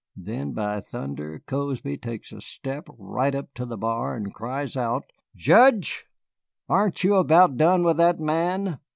Then, by thunder, Cozby takes a step right up to the bar and cries out, 'Judge, aren't you about done with that man?